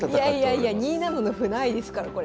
いやいやいや２七の歩ないですからこれ。